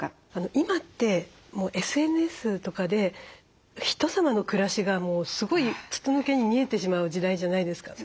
今ってＳＮＳとかでひとさまの暮らしがすごい筒抜けに見えてしまう時代じゃないですか。